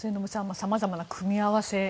様々な組み合わせ。